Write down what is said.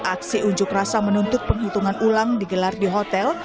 aksi unjuk rasa menuntut penghitungan ulang digelar di hotel